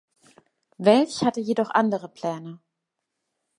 Welch hatte jedoch andere Pläne.